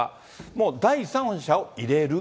もう第三者を入れる。